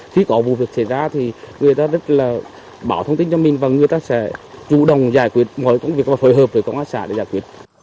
khi có vụ việc xảy ra thì người ta rất là bảo thông tin cho mình và người ta sẽ chủ động giải quyết mọi công việc và phối hợp với công an xã để giải quyết